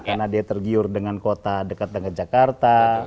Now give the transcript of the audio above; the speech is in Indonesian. karena dia tergiur dengan kota dekat dengan jakarta